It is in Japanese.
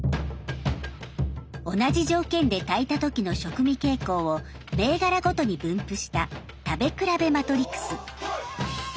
同じ条件で炊いた時の食味傾向を銘柄ごとに分布した食べ比べマトリクス。